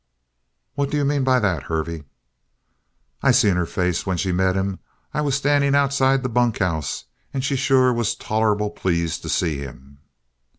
"What do you mean by that, Hervey?" "I seen her face when she met him. I was standing outside the bunkhouse. And she sure was tolerable pleased to see him."